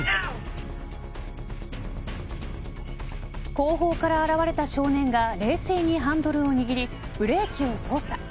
後方から現れた少年が冷静にハンドルを握りブレーキを操作。